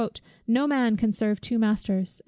"No man can serve two masters."